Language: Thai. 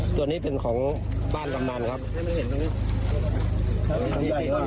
ตัวนี้เป็นของบ้านกำนันครับ